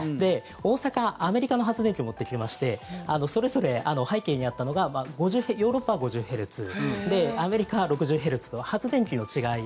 大阪、アメリカの発電機を持ってきましてそれぞれ背景にあったのがヨーロッパは５０ヘルツアメリカは６０ヘルツと発電機の違い